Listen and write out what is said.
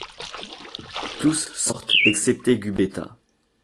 Tous sortent excepté Gubetta.